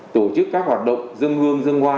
tổ chức các hoạt động dân hương dân hoa